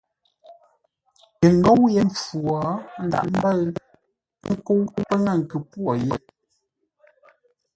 Tə ngóu yé mpfu wo ńdághʼ ḿbə̂ʉ, ə́ nkə́u pə́ ŋə̂ nkʉ-pwô yé.